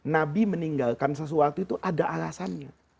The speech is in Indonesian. nabi meninggalkan sesuatu itu ada alasannya